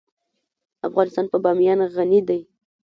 افغانستان په بامیان غني دی.